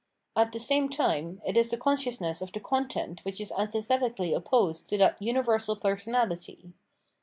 At the same time, it is the consciousness of the con tent which is antithetically opposed to that universal personahty.